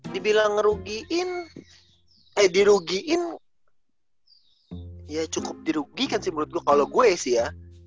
dibilang ngerugiin eh dirugiin ya cukup dirugikan sih menurut gue kalau gue sih ya